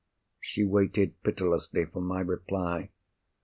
She waited pitilessly for my reply.